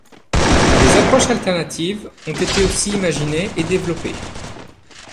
Des approches alternatives ont été aussi imaginées et développées.